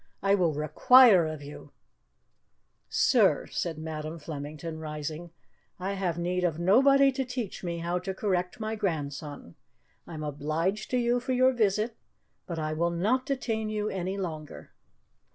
I will require of you " "Sir," said Madam Flemington, rising, "I have need of nobody to teach me how to correct my grandson. I am obliged to you for your visit, but I will not detain you longer."